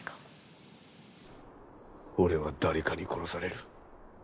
俺は誰かに殺される。